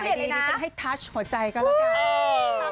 ดีดิฉันให้ทัชหัวใจก็แล้วกัน